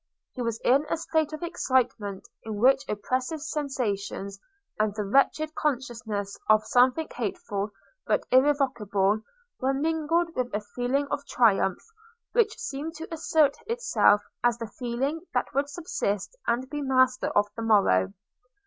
He was in a state of excitement in which oppressive sensations, and the wretched consciousness of something hateful but irrevocable, were mingled with a feeling of triumph which seemed to assert itself as the feeling that would subsist and be master of the morrow.